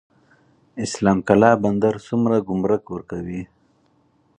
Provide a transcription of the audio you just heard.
اسلام قلعه بندر څومره ګمرک ورکوي؟